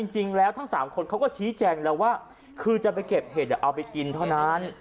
จริงแล้วทั้ง๓คนเขาก็ชี้แจงแล้วว่าคือจะไปเก็บเห็ดเอาไปกินเท่านั้น